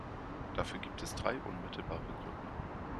Dafür gibt es drei unmittelbare Gründe.